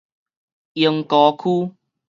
鶯歌區